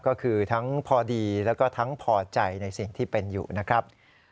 ก็คือทั้งพอดีแล้วก็ทั้งพอใจในสิ่งที่เป็นอยู่นะครับ